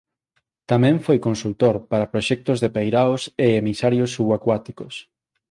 Tamén foi consultor para proxectos de peiraos e emisarios subacuáticos.